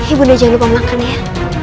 ibu udah jangan lupa makan ya